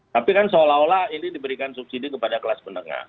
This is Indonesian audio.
tapi kan seolah olah ini diberikan subsidi kepada kelas menengah